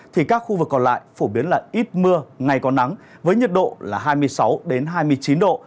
thì các khu vực còn lại phổ biến là ít mưa ngày có nắng với nhiệt độ là hai mươi sáu hai mươi chín độ